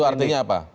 itu artinya apa